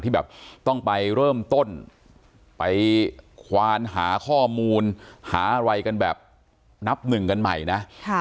ที่แบบต้องไปเริ่มต้นไปควานหาข้อมูลหาอะไรกันแบบนับหนึ่งกันใหม่นะ